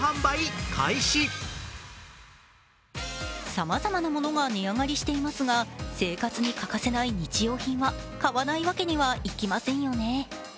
さまざまなものが値上がりしていますが生活に欠かせない日用品は買わないわけにはいきませんよね。